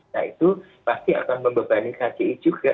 nah itu pasti akan membebani kci juga